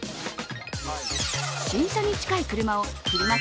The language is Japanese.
新車に近い車をフリマ